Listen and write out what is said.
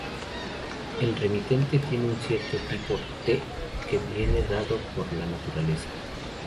El remitente tiene un cierto tipo, t, que viene dado por la naturaleza.